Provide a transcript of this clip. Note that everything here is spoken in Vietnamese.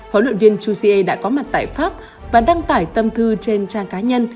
huấn luyện viên jose đã có mặt tại pháp và đăng tải tâm thư trên trang cá nhân